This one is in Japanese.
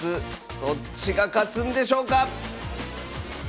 どっちが勝つんでしょうか！